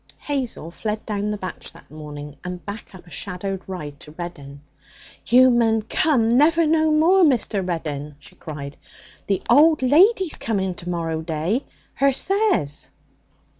Hazel fled down the batch that morning, and back up a shadowed ride to Reddin. 'You munna come never no more, Mr. Reddin!' she cried. 'The old lady's coming to morrow day, her says.'